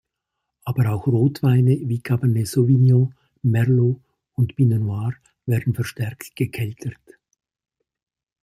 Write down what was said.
Aber auch Rotweine, wie Cabernet Sauvignon, Merlot und Pinot Noir werden verstärkt gekeltert.